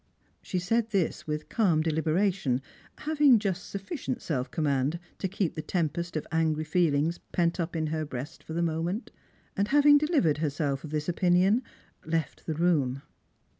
She said this with calm deliberation, having jast sufficient eelf command to keep the tempest of angry feelings pent up in her breast for the moment ; and having delivered herself of this opinion, left the room.